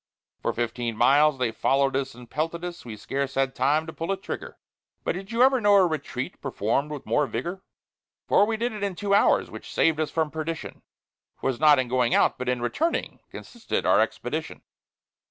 For fifteen miles, they follow'd and pelted us, we scarce had time to pull a trigger; But did you ever know a retreat performed with more vigor? For we did it in two hours, which saved us from perdition; 'Twas not in going out, but in returning, consisted our EXPEDITION.